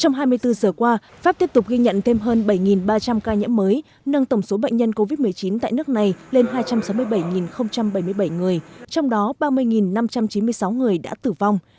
trong hai mươi bốn giờ qua pháp tiếp tục ghi nhận thêm hơn bảy ba trăm linh ca nhiễm mới nâng tổng số bệnh nhân covid một mươi chín tại nước này lên hai trăm sáu mươi bảy bảy mươi bảy người trong đó ba mươi năm trăm chín mươi sáu người đã tử vong